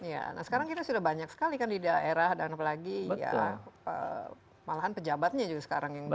iya nah sekarang kita sudah banyak sekali kan di daerah dan apalagi ya malahan pejabatnya juga sekarang yang